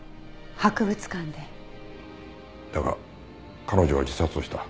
だが彼女は自殺をした。